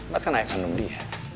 mas kan ayah kandung dia